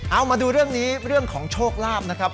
เอามาดูเรื่องนี้เรื่องของโชคลาภนะครับ